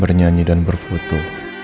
bernyanyi dan berfoto